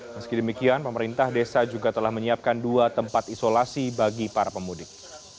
meski demikian pemerintah desa juga telah menyiapkan dua tempat isolasi bagi para pemudik